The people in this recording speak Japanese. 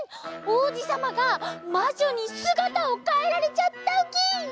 おうじさまがまじょにすがたをかえられちゃったウキ！